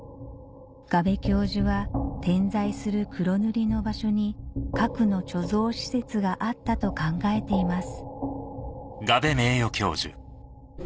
我部教授は点在する黒塗りの場所にがあったと考えています